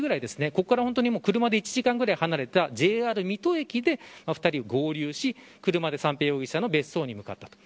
ここから車で１時間ぐらい離れたＪＲ水戸駅で２人は合流し車で三瓶容疑者の別荘に向かったと。